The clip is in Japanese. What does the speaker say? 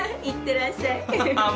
いってらっしゃい。